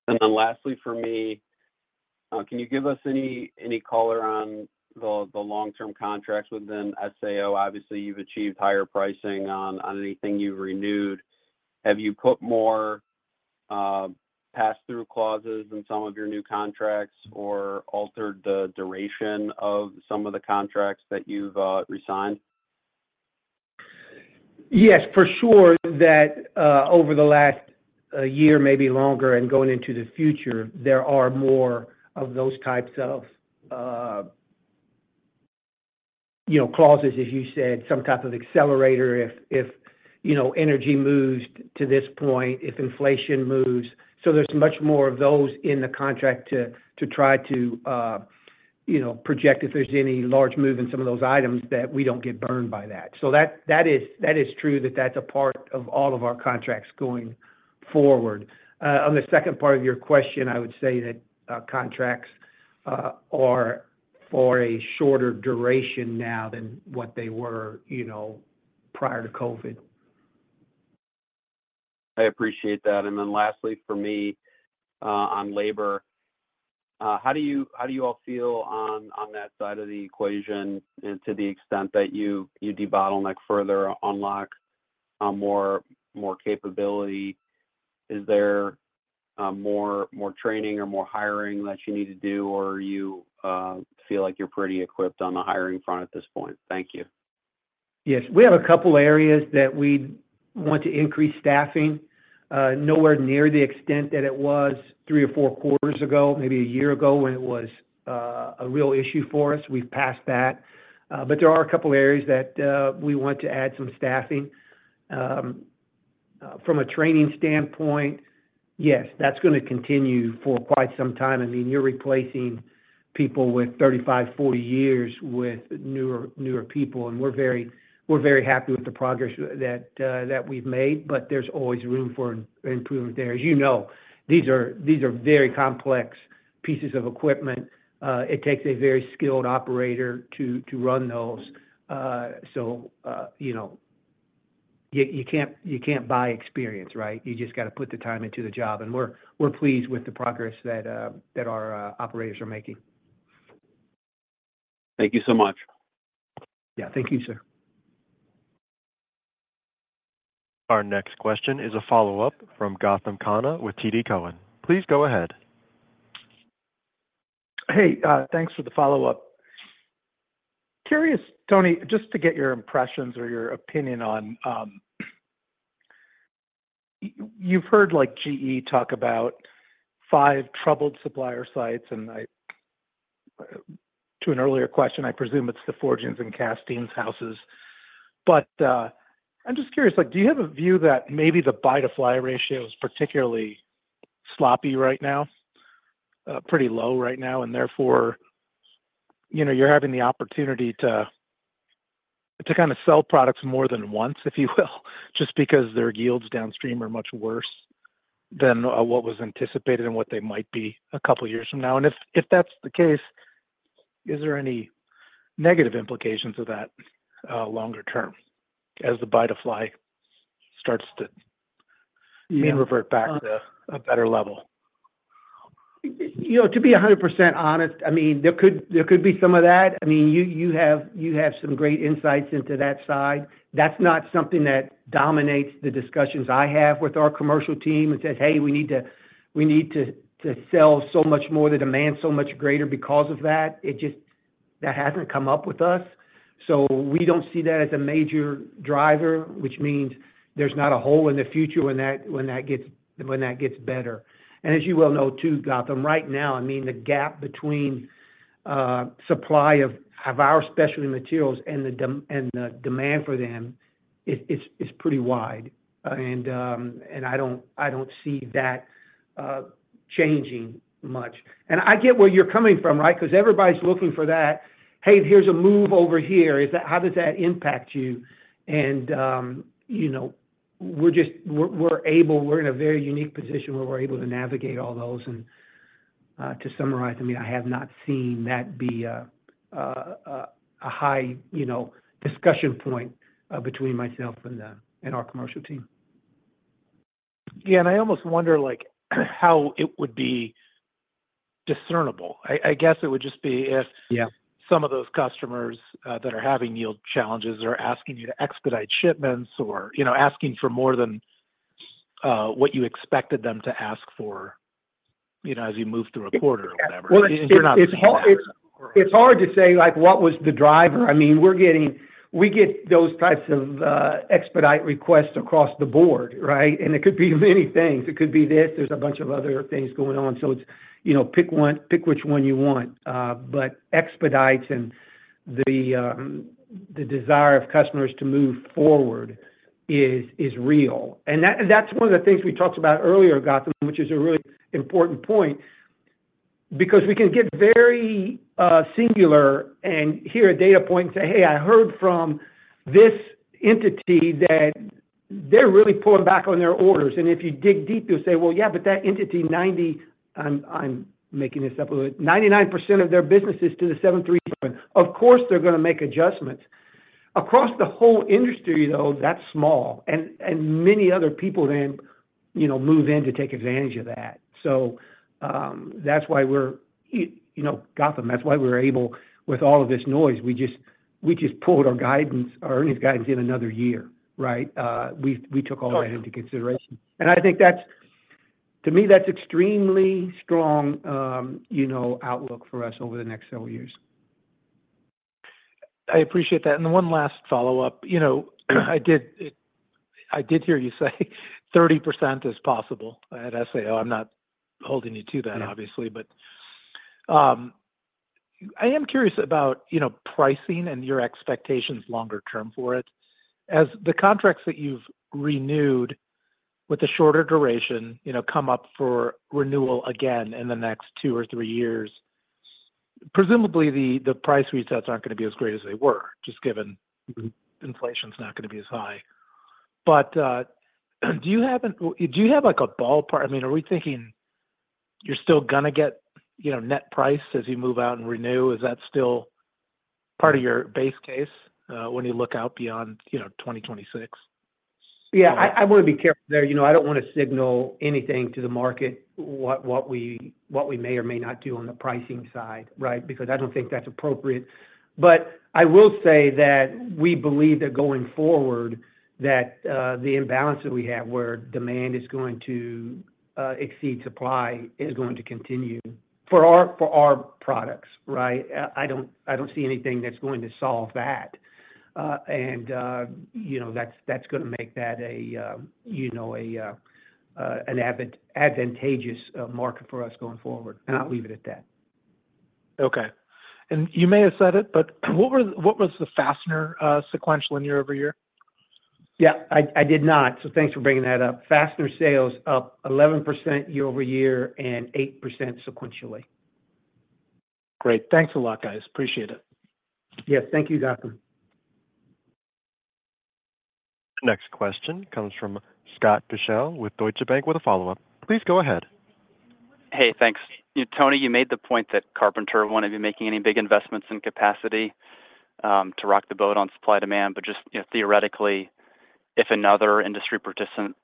And then lastly, for me, can you give us any color on the long-term contracts within SAO? Obviously, you've achieved higher pricing on anything you've renewed. Have you put more pass-through clauses in some of your new contracts or altered the duration of some of the contracts that you've re-signed? Yes, for sure that over the last year, maybe longer, and going into the future, there are more of those types of clauses, as you said, some type of accelerator if energy moves to this point, if inflation moves. So there's much more of those in the contract to try to project if there's any large move in some of those items that we don't get burned by that. So that is true that that's a part of all of our contracts going forward. On the second part of your question, I would say that contracts are for a shorter duration now than what they were prior to COVID. I appreciate that. And then lastly, for me, on labor, how do you all feel on that side of the equation to the extent that you debottleneck further, unlock more capability? Is there more training or more hiring that you need to do, or you feel like you're pretty equipped on the hiring front at this point? Thank you. Yes. We have a couple of areas that we want to increase staffing nowhere near the extent that it was three or four quarters ago, maybe a year ago when it was a real issue for us. We've passed that. But there are a couple of areas that we want to add some staffing. From a training standpoint, yes, that's going to continue for quite some time. I mean, you're replacing people with 35, 40 years with newer people. And we're very happy with the progress that we've made. But there's always room for improvement there. As you know, these are very complex pieces of equipment. It takes a very skilled operator to run those. So you can't buy experience, right? You just got to put the time into the job. And we're pleased with the progress that our operators are making. Thank you so much. Yeah, thank you, sir. Our next question is a follow-up from Gautam Khanna with TD Cowen. Please go ahead. Hey, thanks for the follow-up. Curious, Tony, just to get your impressions or your opinion on, you've heard GE talk about 5 troubled supplier sites. And to an earlier question, I presume it's the forgings and castings houses. But I'm just curious, do you have a view that maybe the buy-to-fly ratio is particularly sloppy right now, pretty low right now? And therefore, you're having the opportunity to kind of sell products more than once, if you will, just because their yields downstream are much worse than what was anticipated and what they might be a couple of years from now. And if that's the case, is there any negative implications of that longer term as the buy-to-fly starts to revert back to a better level? To be 100% honest, I mean, there could be some of that. I mean, you have some great insights into that side. That's not something that dominates the discussions I have with our commercial team and says, "Hey, we need to sell so much more. The demand is so much greater because of that." That hasn't come up with us. So we don't see that as a major driver, which means there's not a hole in the future when that gets better. And as you well know, too, Gautam, right now, I mean, the gap between supply of our specialty materials and the demand for them is pretty wide. And I don't see that changing much. And I get where you're coming from, right? Because everybody's looking for that, "Hey, here's a move over here. How does that impact you?" And we're in a very unique position where we're able to navigate all those. And to summarize, I mean, I have not seen that be a high discussion point between myself and our commercial team. Yeah. I almost wonder how it would be discernible. I guess it would just be if some of those customers that are having yield challenges are asking you to expedite shipments or asking for more than what you expected them to ask for as you move through a quarter or whatever. Well, it's hard to say what was the driver. I mean, we get those types of expedite requests across the board, right? And it could be many things. It could be this. There's a bunch of other things going on. So pick which one you want. But expedites and the desire of customers to move forward is real. And that's one of the things we talked about earlier, Gautam, which is a really important point because we can get very singular and hear a data point and say, "Hey, I heard from this entity that they're really pulling back on their orders." And if you dig deep, you'll say, "Well, yeah, but that entity, 90%-I'm making this up a little bit-99% of their business is to the 737." Of course, they're going to make adjustments. Across the whole industry, though, that's small. Many other people then move in to take advantage of that. So that's why we're Gautam. That's why we're able, with all of this noise, we just pulled our earnings guidance in another year, right? We took all that into consideration. I think, to me, that's an extremely strong outlook for us over the next several years. I appreciate that. One last follow-up. I did hear you say 30% is possible at SAO. I'm not holding you to that, obviously. I am curious about pricing and your expectations longer term for it. As the contracts that you've renewed with a shorter duration come up for renewal again in the next two or three years, presumably the price resets aren't going to be as great as they were, just given inflation's not going to be as high. Do you have a ballpark? I mean, are we thinking you're still going to get net price as you move out and renew? Is that still part of your base case when you look out beyond 2026? Yeah. I want to be careful there. I don't want to signal anything to the market what we may or may not do on the pricing side, right? Because I don't think that's appropriate. But I will say that we believe that going forward, that the imbalance that we have where demand is going to exceed supply is going to continue for our products, right? I don't see anything that's going to solve that. And that's going to make that an advantageous market for us going forward. And I'll leave it at that. Okay. And you may have said it, but what was the fastener sequential in year-over-year? Yeah, I did not. So thanks for bringing that up. Fastener sales up 11% year-over-year and 8% sequentially. Great. Thanks a lot, guys. Appreciate it. Yes. Thank you, Gautam. Next question comes from Scott Deuschle with Deutsche Bank with a follow-up. Please go ahead. Hey, thanks. Tony, you made the point that Carpenter wouldn't be making any big investments in capacity to rock the boat on supply demand. But just theoretically, if another industry participant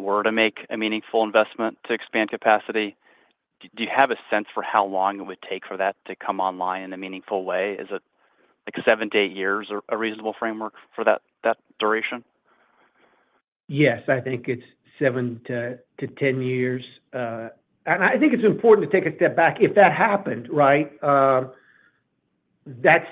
were to make a meaningful investment to expand capacity, do you have a sense for how long it would take for that to come online in a meaningful way? Is it like 7-8 years a reasonable framework for that duration? Yes, I think it's 7-10 years. And I think it's important to take a step back. If that happened, right, that's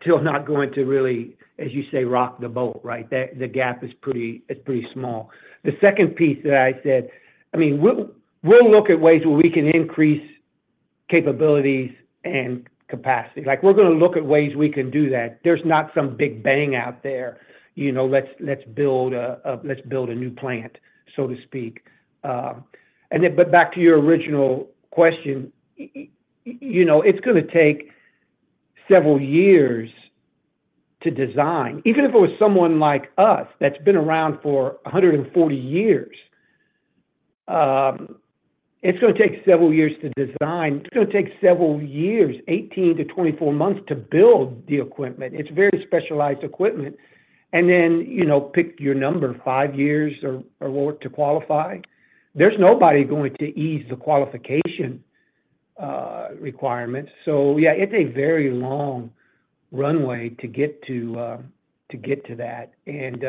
still not going to really, as you say, rock the boat, right? The gap is pretty small. The second piece that I said, I mean, we'll look at ways where we can increase capabilities and capacity. We're going to look at ways we can do that. There's not some big bang out there. Let's build a new plant, so to speak. But back to your original question, it's going to take several years to design. Even if it was someone like us that's been around for 140 years, it's going to take several years to design. It's going to take several years, 18-24 months to build the equipment. It's very specialized equipment. And then pick your number, five years or more to qualify. There's nobody going to ease the qualification requirements. So yeah, it's a very long runway to get to that. And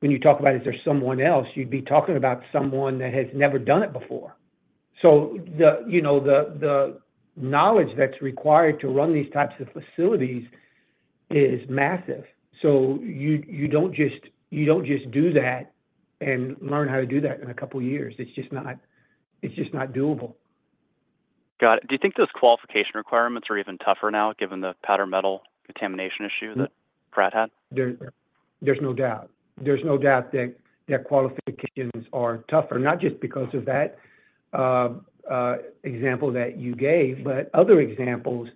when you talk about, "Is there someone else?" you'd be talking about someone that has never done it before. So the knowledge that's required to run these types of facilities is massive. So you don't just do that and learn how to do that in a couple of years. It's just not doable. Got it. Do you think those qualification requirements are even tougher now, given the powder metal contamination issue that Pratt & Whitney had? There's no doubt. There's no doubt that qualifications are tougher, not just because of that example that you gave, but other examples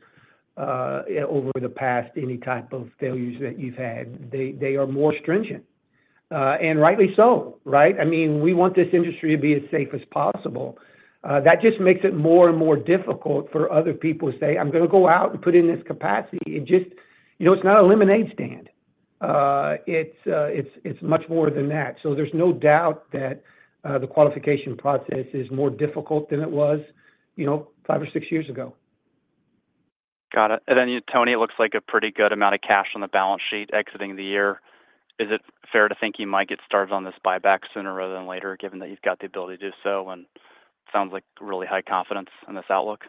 over the past, any type of failures that you've had, they are more stringent. And rightly so, right? I mean, we want this industry to be as safe as possible. That just makes it more and more difficult for other people to say, "I'm going to go out and put in this capacity." It's not a lemonade stand. It's much more than that. So there's no doubt that the qualification process is more difficult than it was five or six years ago. Got it. And then, Tony, it looks like a pretty good amount of cash on the balance sheet exiting the year. Is it fair to think you might get started on this buyback sooner rather than later, given that you've got the ability to do so and sounds like really high confidence in this outlook?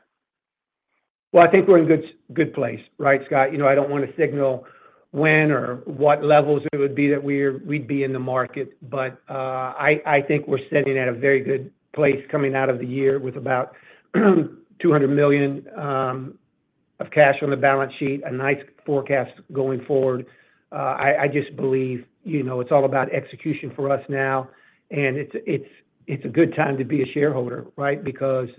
Well, I think we're in a good place, right, Scott? I don't want to signal when or what levels it would be that we'd be in the market. But I think we're sitting at a very good place coming out of the year with about $200 million of cash on the balance sheet, a nice forecast going forward. I just believe it's all about execution for us now. And it's a good time to be a shareholder, right? Because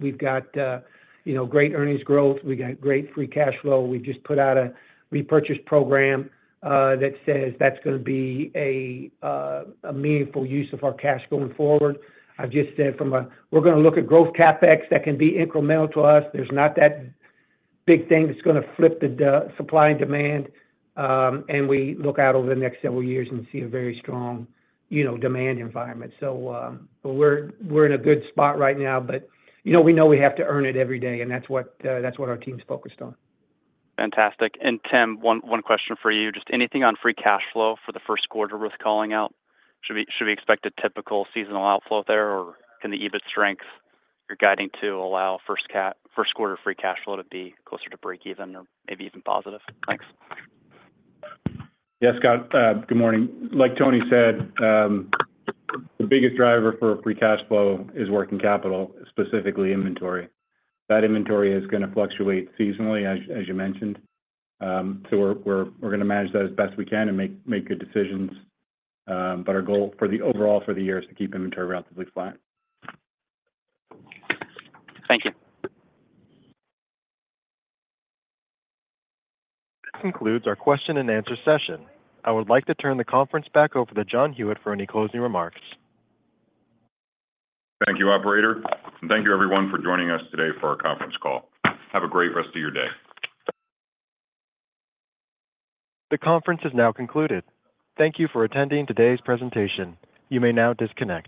we've got great earnings growth. We've got great free cash flow. We've just put out a repurchase program that says that's going to be a meaningful use of our cash going forward. I've just said from a we're going to look at growth CapEx that can be incremental to us. There's not that big thing that's going to flip the supply and demand. We look out over the next several years and see a very strong demand environment. We're in a good spot right now. We know we have to earn it every day. That's what our team's focused on. Fantastic. Tim, one question for you. Just anything on free cash flow for the first quarter worth calling out? Should we expect a typical seasonal outflow there? Or can the EBIT strength you're guiding to allow first quarter free cash flow to be closer to breakeven or maybe even positive? Thanks. Yes, Scott. Good morning. Like Tony said, the biggest driver for free cash flow is working capital, specifically inventory. That inventory is going to fluctuate seasonally, as you mentioned. So we're going to manage that as best we can and make good decisions. But our goal for the overall for the year is to keep inventory relatively flat. Thank you. This concludes our question and answer session. I would like to turn the conference back over to John Huyette for any closing remarks. Thank you, operator. Thank you, everyone, for joining us today for our conference call. Have a great rest of your day. This now concluded. Thank you for attending today's presentation. You may now disconnect.